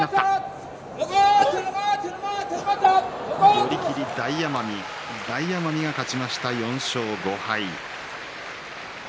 寄り切り、大奄美大奄美が勝ちました、４勝５敗。